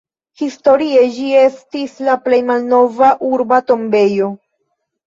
Historie ĝi estis la plej malnova urba tombejo.